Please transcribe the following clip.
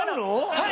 はい。